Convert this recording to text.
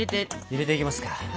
入れていきますか。